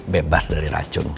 bebas dari racun